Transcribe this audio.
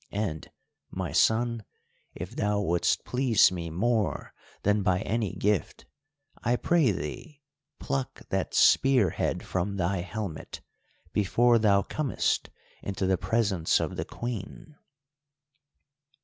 And, my son, if thou wouldst please me more than by any gift, I pray thee pluck that spear head from thy helmet before thou comest into the presence of the Queen."